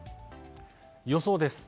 予想です。